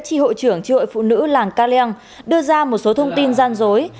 chi hội trưởng chi hội phụ nữ làng caliang đưa ra một số thông tin gian dối